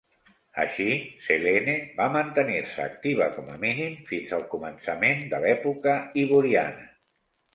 Així, Selene va mantenir-se activa com a mínim fins al començament de l'època Hyboriana.